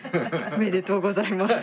ありがとうございます。